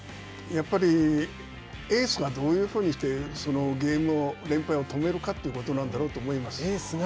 やっぱりエースがどういうふうにして、ゲームを、連敗を止めるかということなんだろうと思います。